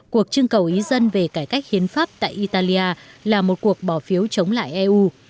cuộc trưng cầu ý dân về cải cách hiến pháp tại italia là một cuộc bỏ phiếu chống lại eu